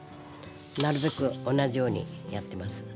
なるべく同じようにやってます。